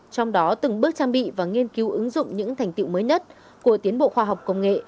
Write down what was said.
trong đó từng bước trang bị và nghiên cứu ứng dụng những thành tiệu mới nhất của tiến bộ khoa học công nghệ